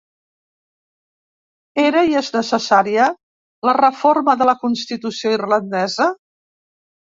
Era i és necessària, la reforma de la constitució irlandesa?